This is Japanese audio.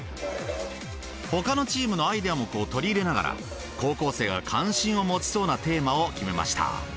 ほかのチームのアイデアも取り入れながら高校生が関心を持ちそうなテーマを決めました。